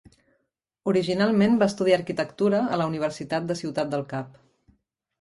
Originalment va estudiar arquitectura a la Universitat de Ciutat del Cap.